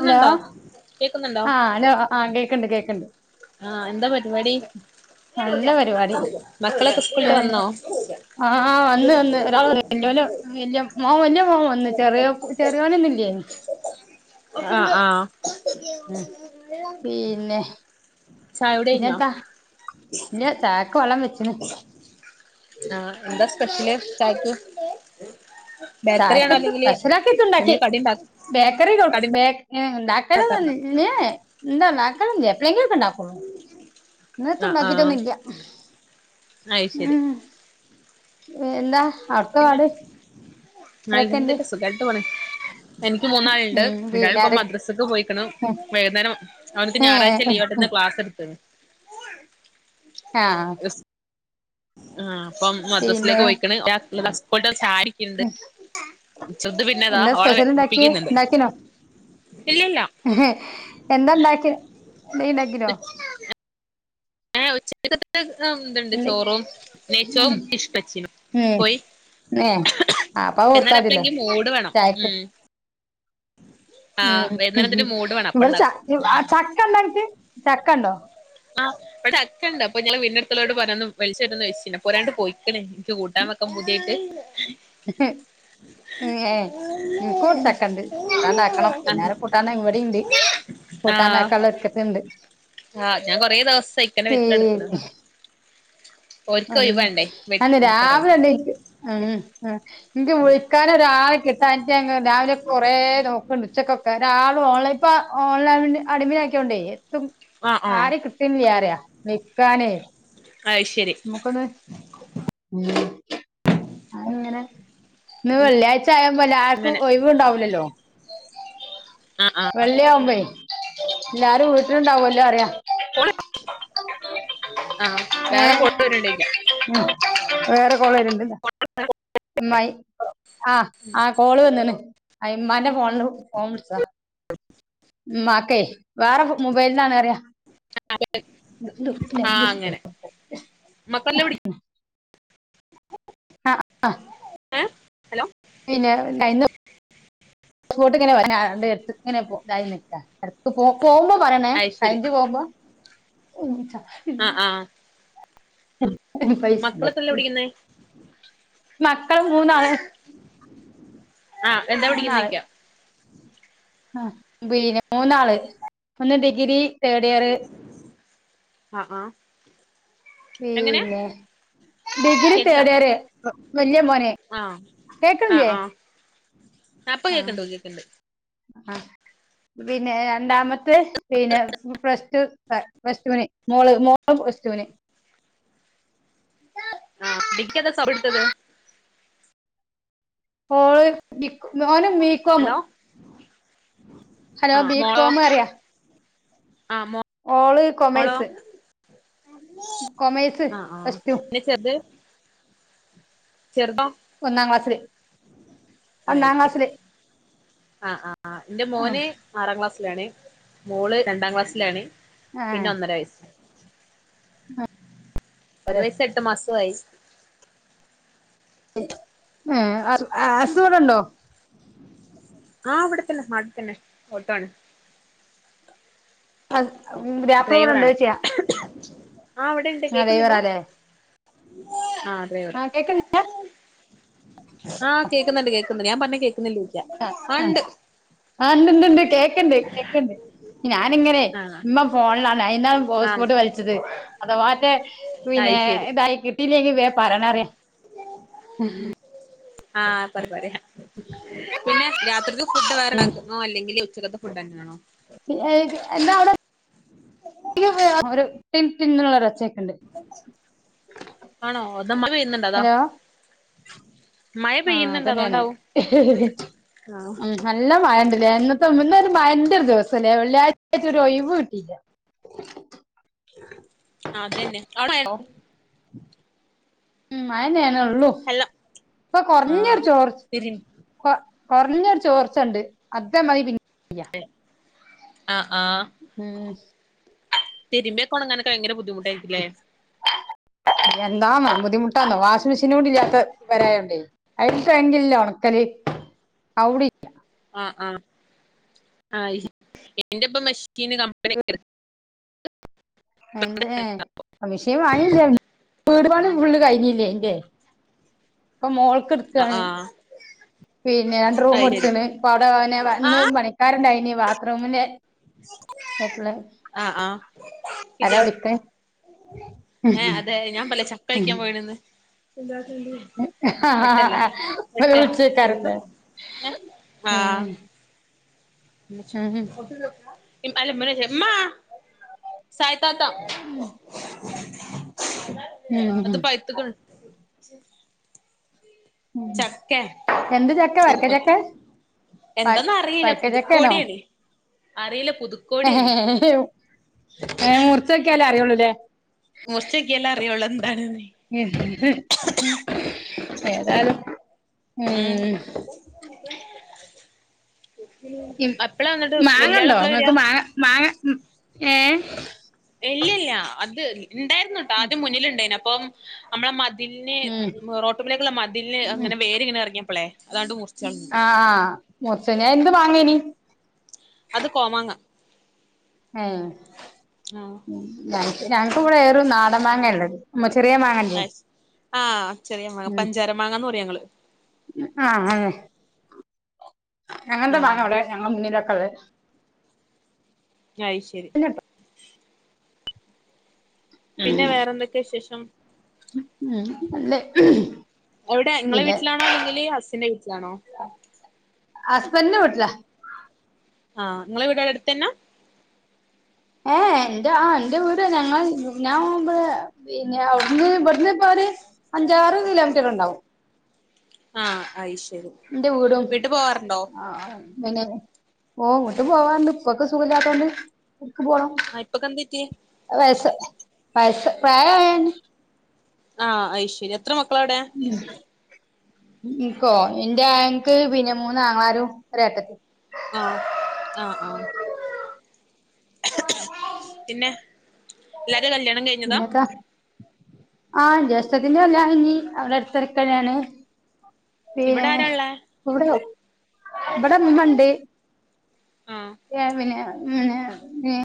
Hello കേക്കുന്നുണ്ടോ ആഹ് hello ആഹ് കേക്കണ്ട് കേക്കണ്ട് ആഎന്താ പരിപാടി നല്ല പരിപാടി [inaudible] മക്കളൊക്കെ സ്കൂളിട്ട് വന്നോ ആഹ് വന്ന് വന്ന് ഒരാൾ വന് വല്യോ ല് വല്യ മോന് മോം വന്ന് ചെറിയ ചെറിയവൻ ഇന്നില്ലേ ആഹ് ആഹ് ഉം പിന്നെ ചായകുടി കഴിഞ്ഞോ പിന്നെന്താ പിന്നെ ചായക്ക് വെള്ളം വെച്ചന് ആ എന്താ സ്പെഷ്യല് ചായക്ക് ബേക്കറി ആണോ ചായക്കക്ക് അല്ലെങ്കിൽ സ്പെഷ്യലാക്കിട്ട് ഇണ്ടാക്കി കടിയുണ്ടാക്കുമോ ബേക്കറി ലൊ ബേക്കറി ഉണ്ടാക്കല് [unintelligible] ഉണ്ടാക്കാറുണ്ടോ ഉണ്ടാക്കല് ഇല്ല എപ്പങ്കിലും ണ്ടാക്കുള്ളൂ ഇങ്ങത്ത ആ ആ ഉണ്ടാക്കല്ലെന്നും ഇല്ല അത് ശരി ഉം എന്താ അടുത്ത പാട് ആരൊക്കെണ്ട് അൽഹംദുലില്ലാഹ് സുഖമായിട്ട് പോണ്. എനിക്ക് മൂന്നാളുണ്ട് ഉം ഒരാൾ പിന്നെ ഇപ്പോ ആരെ മദ്രസക്ക് പോയിക്കണ് വൈകുന്നരം അവനക്ക് ഞായറാഴ്ച ഏഹ് ലീവ് ക്ലാസ് എടുത്തു ആഹ് ആ അപ്പം പിന്നെ മദ്രസിലേക്ക് പോയിക്കണ് [inaudible] സാരി ശുദ്ധ പിന്നെതാ എന്താ ഓള സ്പെഷ്യൽ ഇണ്ടാക്കിയേ ഒപ്പിക്കുന്നുണ്ട് ഇണ്ടാക്കിനോ ഇല്ലല്ല എന്താ ഉണ്ടാക്കിയത് എന്തേലുണ്ടാക്കിനോ ഏ ഉച്ചക്ക എതുണ്ട് എന്തെ ചോറവും നെയച്ചവും നിഷ്പച്ചും കോയി ഉം ഏ ആ അപ്പൊ എന്നാല ഓർത്താതില്ലോ എപ്പെളങ്കി മൂഡ് വേണം ചായക്ക് ഉം ആഹ് ഉം വൈന്നേരം ഉഹും ഇതിന് മൂട് വേണം ഇവിടെ ച അപ്പണ്ടാക്കും ചക്ക ഉണ്ടൊനെക്ക് ചക്ക ഉണ്ടോ ആ ഇവിടെ ചക്കേയൊണ്ട് അപ്പോ ഞങ്ങള് വീടിന്റടുത്തുള്ളവരോട് പറഞ്ഞാർന്നു പൈസ കിട്ടുന്ന് പ്പ ഒരാണ്ട് പോയ്ക്കന് എന്ക്ക് കൂട്ടാൻ വയ്ക്കാ ക്ക പുതിയാട്ട് എഹ്ഹേ ഉം ഏ ഉം കുട്ടാക്കണ്ട് കൂട്ടാനൊണ്ടാക്കണം ആഹ് പിന്നാരും കൂട്ടാന ഇവിടെയൊണ്ട് കൂട്ടാനൊക്കെയുള്ളയൊരുക്കത്തിണ്ട് ആ ഞാൻ കൊറെദിവസായി ഇങ്ങനെപെട്ടുകെടക്കണു ആഹ് വേണ്ടേ വെ അന്ന എടുത്തരാൻ രാവിലെ എണ്ടേക്ക് ഉം എന്ക്ക് വിളിക്കാനൊരാളെ കിട്ടാനിട്ടുഞാൻ രാവിലെ കൊറേ നോക്കണ്ട് ഉച്ചക്കൊക്കെ ഒരാളും ഓൺലൈൻ ഇപ്പ ഓൺലൈനിന് അടിമയായികൊണ്ടേ എത്തും ആഹ് ആഹ് ആര് കിട്ടീന് വ്യാറ നിക്കാനേ അയ് ശരി [unintelligible] ഉം അയിങ്ങനെ ഇന്നു വെള്ളിയാഴ്ചയായപ്പോ എല്ലാർക്കും അങ്ങനെ ഒഴിവുണ്ടാവൂല്ലല്ലോ ആ ആ വെള്ളിയാകുമ്പേ എല്ലാരും വീട്ടിലുണ്ടാവുമല്ലോ അറിയാം [unintelligible] ആഹ് വേറെ ഏഹ് കോൾ വരുണ്ടരിക്ക് ഉം വേറെ കൊളുവരണു [unintelligible] ആഹ് ആഹ് കോള് വന്നണ് ഉമ്മാന്റെ ഫോണില് ഫോൺ വിളിച്ചതാ [inaudible] ഉമ്മാക്കേ വേറെ മൊബൈലന്നാണറിയാ [unintelligible] മക്കെല്ലെവിടെ ആ ഹാ ഏ ഹലോ പിന്നെന്ന്ട്ട് ഇങ്ങനെ വണ്ട്ടു ഇങ്ങനെ നിക്ക ഉം പോ പോവുമ്പോ പറയണേ അയ്ശരി കഴിഞ്ച് പോവുമ്പോ ആ ആ മക്കളൊക്കെല്ലേ [unintelligible] പഠിക്കുന്നേ മക്കള് മൂന്നാള് ആ എന്താ മൂന്നാള് പഠിക്കുന്നേചോയ്ക്കാം ആഹ് മൂന്നാള് ഒന്ന് ഡിഗ്രി തേർഡ് ഇയർ ആഹ് ആഹ് പിന്നെ ഡിഗ്രി കേട്ടില്ല തേഡിയറ് വല്യയ മോനെ കേക്കണില്ലേ അപ്പ കേക്കണ്ടോ കേക്കണ്ട് ആ പിന്നെ രണ്ടാമത്തെ പിന്നെ പ്ലസ്ടു അ പ്ലസ്ടുവിന് മോള് മോളും പ്ലസ്ടുവിന് ആ ഡിക്കേതാ സബ് എടുത്തത് ഓള് ബി ഓന് ബികോമ് ഹലോ ആഹ് ഓളോ ബികോമ് അറിയാ ആ ഓള് മോളോ കൊമേഴ്‌സ് കൊമേഴ്സ് പ്ലസ്ടു ത്തത് ചെറുതാ ഒന്നാം ക്ലാസില് ഐസിട് ആ ആ ആ എന്റെ ഉം മോന് ആറാം ക്ലാസ്സിലാണ് മോള് രണ്ടാം ക്ലാസ്സിലാണ് പിന്നെ ഏഹ് ഒന്നര വയസ്സ് ഒരുവയസ്‌ എട്ടുമാസമായി ഏ അസുവിടെ ഉണ്ടോ ആഹ് വടെത്തന്നെ നാട്ട്ത്തന്നെ ഓട്ടാണ്. അ ഉം ഡ്രൈവറാണ് പുത്യാപ്ലവടെണ്ടോയ് ച്ചാ? ആ ഇവടെ തെ കേക്കുന്നില്ല ഡ്രൈവറാല്ലേ ആ ഡ്രൈവർ ആഹ് കേക്ക്ണ്ട് ആഹ് കേക്ക്ന്ന്ണ്ട് കേക്ക്ന്ന്ണ്ട് ഞാൻ പർഞ്ഞെ കേ അ അ ആ ണ്ട്ണ്ട്ണ്ട് കേ ക്ക്ണ്ട് കേക്ക്ണ്ട് ഞാനിങ്ങനെ ആ മ്മ ഫോൺലാണ് അയ്ന്നാണ് ആ ഹോട്സ്പോട്ട് വെൽ ത് അഥവാറ്റെ അയ് പിന്നേ ശരി ഇതായി പിന്നെ വേം പറ്യാണറ്യാ [unintelligible] ആഹ് പറി പറ്യാ പിന്നെ രാത്രിക്ക് ഫുഡ്ഡ് വേറെ ങ്ങോ അല്ലെങ്കിൽ ഉച്ചകത്തെ ഫുഡെന്നേണോ? ഏഹെ എല്ലാ അവ്ടെ [unintelligible] ഒര് ടിം ടിം ന്ന്ള്ള ഒച്ചെക്കും. ആണോ അതമഴ പെയ്യുന്നുണ്ടതാ. ഹലോ ആഹ് അതന്നേണ്. ആ നല്ല മയണ്ട്ലേ. ന്നത്തെ ന്നൊര് മയന്റൊര് ദിവസലേ. വെള്ളിയാഴ് ചായിട്ട് ഒരൊയിവ് കിട്ടീല്ല. ആതെന്നെ ഔടെ മഴണ്ടോ? ഉം മഴന്നേണൊള്ളു ഹലോ പ്പ ആ കൊർഞ്ഞൊര് ചോർ തിരി കൊ കൊർഞ്ഞൊര് ചോർച്ചണ്ട് അതേമാരി പിൻ എ അഹ് ആഹ് ഉം ശ് തിരിമ്പ്യോക്കൊണങ്ങാനൊക്കെ ഭയങ്കര ബുദ്ധിമുട്ടായിര്ക്കുലെ. എന്താ [unintelligible] ബുദ്ധിമുട്ടാന്നോ വാഷിംങ്‌ മെഷീനൂടി ല്ലാത്ത പെരായോണ്ടേ അയിൽ [unintelligible] ന്നില്ല ഒൺക്കല് ഔടി ആഹ് ആ അയ് ന്റെപ്പ മെഷകിന് കമ്പനി [unintelligible] അയ്ന്റെ ഏഹ് മിഷേൻ വാങ്ങിമ് ചെ. വീട് പണി ഫുള്ള് കഴിഞ്ഞില്ലേ എന്റെ. പ്പൊ മോൾക്ക് ആ ട്ത്തേ. ആ പിന്നെ രണ്ട്റൂം അയി ശരി ട്ത്തീണ്. പ്പ ഔടെ ഓനെ ആ വന്ന് പണി ക്കാര്ണ്ടായിനി ബാത്റൂമിന്റെ എപ്പളെ. ആഹ് ആ. അരാ കിട്ടിയോ വിളിക്ക്ണെ? ഏ അതെ ഞാൻ പല്ലേ ചക്കഴിക്കാൻ പോയീണ്ന്ന്. ഓല് വിളി ചോയിക്കാറ്ണ്ട്. ആഹ് ആ. ഉം [unintelligible] മ്മാ സായ്താത്ത ഉം അത് പഴ്ത്ത്ക്ക്ണ്. ഉം. ചക്കെ എന്ത് ചക്കെ വർക്ക ചക്കെ? വ എന്തന്നറീല വരക്ക പുതുക്കോടിയല്ലെ അറീല പുതു മുർച്ചോക്ക്യാലേ അറ്യോള്ളൂലേ? മുർച്ചോക്ക്യാലേ അറ്യോള്ളൂ എന്താണ്ന്ന് ഏതാലും ഉം. ഉം എപ്പളാ വന്നിട്ട് വല്യാള് മാങ്ങണ്ടോ എപ്പളാ വരാ ങ്ങക്ക് മാങ്ങ മാങ്ങ ഉം ഏഹ്. ഇല്ല്യ ല്ല അത് ണ്ടായിര്ന്നുട്ടോ. ആദ്യം മുന്നില്ണ്ടെയ്ന. പ്പം അമ്മളെ മതില്ന്, ഉം റോട്ട്മ്മലേക്ക്ള്ള മതില്ന് ഉം അങ്ങനെ വേര്ങ്ങനെ ർങ്ങിയപ്പളെ, അതാണ്ട് മുറിച്ചൾഞ്. ആഹ് ആ. മുർചയ്ഞ് അ എന്ത് മാങ്ങേനി? അത് കോമാങ്ങ. ഏഹ്. ആഹ് ഞങ്‌ക് ഞങ്‌ക്ക് വടേറും നാടംമാങ്ങേ ള്ളത്. മ ചെറ്യേ മാങ്ങ ആഹ് ചെറിയ മാങ്ങ ഉം പഞ്ചാര മാങ്ങന്ന് പറയും ഞങ്ങള് ആഹ് ആഹ് അങ്ങൻത്തെ സാധനാ വിടെ ആഹ് ഞങ്ങളെ മുന്നിലൊക്കെള്ളെ അയ് ശെരി [unintelligible] പിന്നെ ഉം വേറെന്തൊക്കെ വിശേഷം? ഉം നല്ലേ എവിടെ ങ്ങളെ വീട്ടിലാണോ? അല്ലെങ്കി ഹസ്സിന്റെ വീട്ടിലാണോ? ഹുസ്ബൻ്റിൻ്റെ വീട്ടിലാ ആ ങ്ങളെ വീടോടെ അടുത്തന്ന ഏഹ് ന്റെ ആ ൻ്റെ വീട് ഞങ്ങള് ഞാ മുമ്പ് പിന്നവിടന്ന് ഇവിടന്ന്പ്പൊര് അഞ്ചാറ് കിലോമീറ്റർണ്ടാവും ആഹ് അയ്ശരി ന്റെ വീടും വീട്ട് പോവാറുണ്ടോ ആഹ് പിന്നെ ഓ വീട്ട് പോവാണ്ട് ഇപ്പക്ക് സുഖമില്ലാത്തൊണ്ട് ക്ക് പോണം ആഹ് ഇപ്പക്ക് എന്തുപറ്റി? വയസ്സ് വയസ്സ് [unintelligible] ആഹ് അയ്ശരി എത്ര മക്കള വിടെ? എൻക്കോ ഇൻ്റെ ഇന്ക്ക് പിന്നെ മൂന്ന് ആങ്ങളാരും ഒരേട്ടത്തി ആഹ് ആഹ് ആഹ് [unintelligible] പിന്നെ എല്ലാരും കല്യാണം കഴി കുഞ്ഞാക്ക ആഹ് ജ്യേഷ്ഠത്തിന്റെ കല്യാണൈഞ്ഞി അവിടെ അടുത്ത്ക്കന്നെണ് ഇവിടെ പിന്നെ ആരാ ഉള്ളേ ഇവിടെ ഇവിടെമ്മണ്ട് ആഹ് [unintelligible] പിന്നെ [unintelligible] ന്നെ